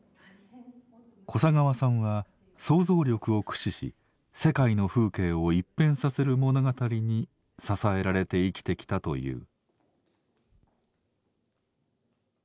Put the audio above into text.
小砂川さんは想像力を駆使し世界の風景を一変させる物語に支えられて生きてきたという。